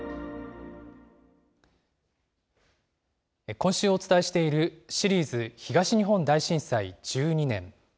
今週お伝えしている、シリーズ東日本大震災１２年。